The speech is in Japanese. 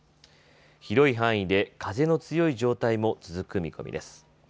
広い範囲で風の強い状態も続く見込みです。